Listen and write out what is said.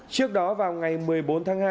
trước đó vào ngày một mươi bốn tháng hai